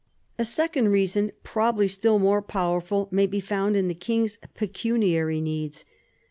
A second reason, probably still more powerful, may be found in the king's pecuniary needs.